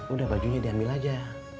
udah bajunya diambil aja